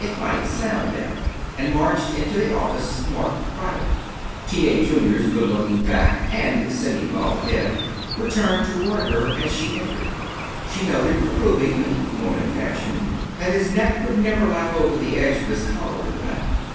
"It might sound better," and marched into the office marked "Private." T. A. Junior's good looking back and semi bald head were toward her as she entered. She noted, approvingly, woman fashion, that his neck would never lap over the edge of his collar in the back.